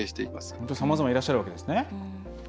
本当に、さまざまいらっしゃるわけですね。